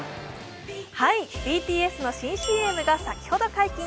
ＢＴＳの新ＣＭが先ほど解禁。